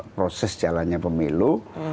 proses jalannya pemilu